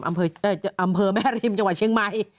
อำเภอแม่ริมจังหวัดเชียงใหม่